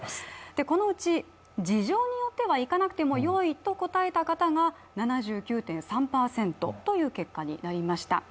このうち、事情によっては行かなくてもよいと答えた方が７９．３％という結果になりました。